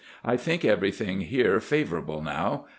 I think everything here favorable now.